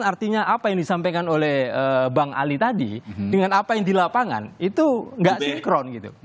artinya apa yang disampaikan oleh bang ali tadi dengan apa yang di lapangan itu nggak sinkron gitu